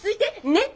ねっ。